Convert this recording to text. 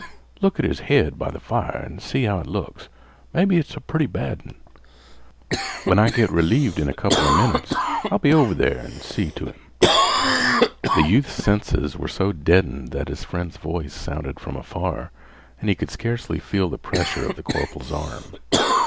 Look at his head by th' fire an' see how it looks. Maybe it's a pretty bad un. When I git relieved in a couple 'a minnits, I'll be over an' see t' him." The youth's senses were so deadened that his friend's voice sounded from afar and he could scarcely feel the pressure of the corporal's arm.